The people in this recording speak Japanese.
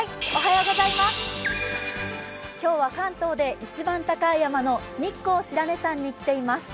今日は関東で一番高い山の日光白根山に来ています。